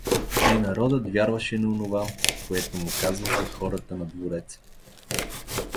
И народът вярваше онова, което му казваха хората на двореца.